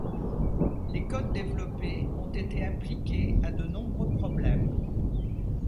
Les codes développés ont été appliqués à de nombreux problèmes.